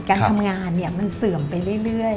การทำงานมันเสื่อมไปเรื่อย